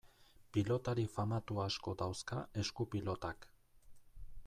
Pilotari famatu asko dauzka esku-pilotak.